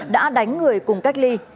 đã đánh người cùng cách ly